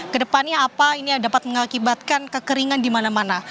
kedepannya apa ini yang dapat mengakibatkan kekeringan di mana mana